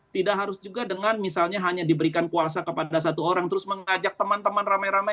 tidak harus juga dengan misalnya hanya diberikan kuasa kepada satu orang terus mengajak teman teman rame rame